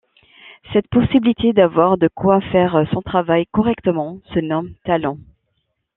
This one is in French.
Cette possibilité d'avoir de quoi faire son travail correctement se nomme Talents.